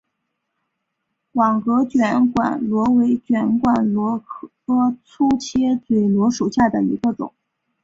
网格卷管螺为卷管螺科粗切嘴螺属下的一个种。